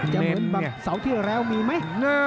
จะเหมือนเหมือนเสาที่แล้วมีมั้ย